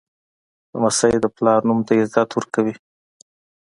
لمسی د پلار نوم ته عزت ورکوي.